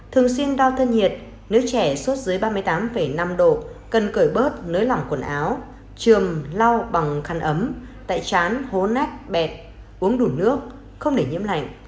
thường xuyên đo thân nhiệt nếu trẻ sốt dưới ba mươi tám năm độ cần cởi bớt nới lỏng quần áo trường lau bằng khăn ấm tại chán hố nát bẹt uống đủ nước không để nhiễm lạnh